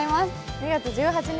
２月１８日